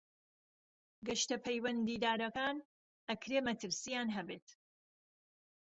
گەشتە پەیوەندیدارەکان ئەکرێ مەترسیان هەبێت.